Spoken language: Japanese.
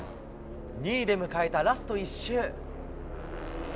２位で迎えたラスト１周。